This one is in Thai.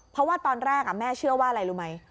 เพราะว่าตอนแรกแม่เชื่อว่าอะไรรู้ไหม